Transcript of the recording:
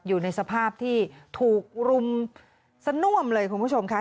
อยู่ในสภาพที่ถูกรุมสน่วมเลยคุณผู้ชมค่ะ